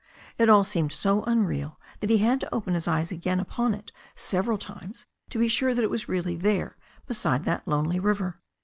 It all seemed so unreal that he had to open his eyes upon it several times to be sure that it was really there beside that lonely river.